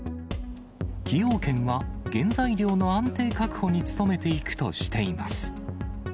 崎陽軒は原材料の安定確保に努めていくとしています。